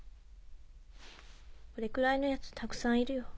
「俺くらいの奴たくさんいるよ」。